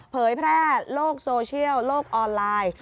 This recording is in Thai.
เผยแพร่โลกโซเชียลโลกออนไลน์